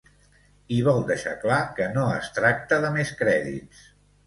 I vol deixar clar que no es tracta de més crèdits.